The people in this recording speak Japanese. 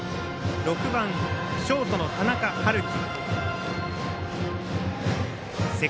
６番ショートの田中春樹。